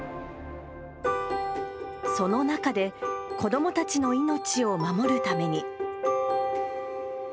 その中で子どもたちの命を守るために。